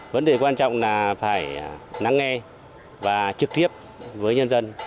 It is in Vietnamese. vấn đề quan trọng là phải nắng nghe và trực tiếp với nhân dân